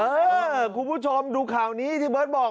คุณผู้ชมดูข่าวนี้ที่เบิร์ตบอก